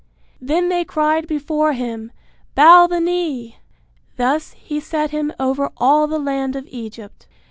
Then they cried before him, Bow the knee! Thus he set him over all the land of Egypt.